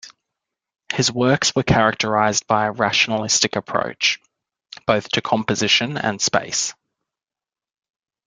His works were characterized by a rationalistic approach, both to composition and space.